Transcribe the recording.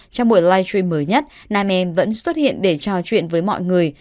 trong buổi live stream mới nhất nam em vẫn xuất hiện để trò chuyện với mọi người